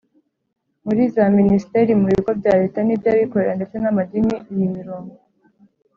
Muri za minisiteri mu bigo bya leta n iby abikorera ndetse n amadini iyi mirongo